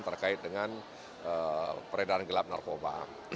terkait dengan peredaran gelap narkoba